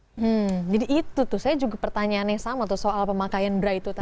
hmm jadi itu tuh saya juga pertanyaannya sama tuh soal pemakaian berwarna itu tadi